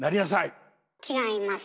違います。